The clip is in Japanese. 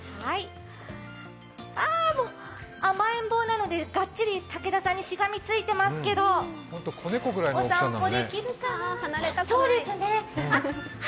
甘えん坊なので、がっちり竹田さんにしがみついていますけど、お散歩できるかな。